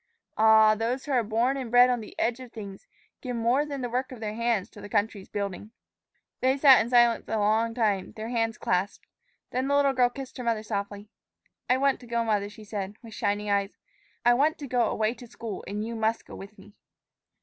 Ah! those who are born and bred on the edge of things give more than the work of their hands to the country's building." They sat in silence a long time, their hands clasped. Then the little girl kissed her mother softly. "I want to go, mother," she said, with shining eyes. "I want to go away to school, and you must go with me."